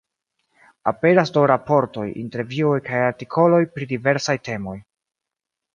Aperas do raportoj, intervjuoj kaj artikoloj pri diversaj temoj.